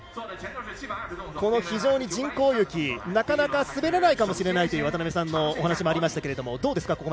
非常に人工雪、なかなか滑らないかもしれないという渡辺さんのお話もありましたがどうですか